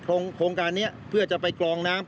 โครงการนี้เพื่อจะไปกรองน้ำ